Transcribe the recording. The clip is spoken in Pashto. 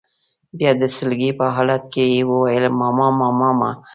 بیا د سلګۍ په حالت کې یې وویل: ماما ماما میا.